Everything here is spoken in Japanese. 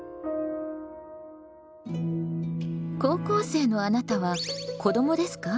高校生のあなたは子どもですか？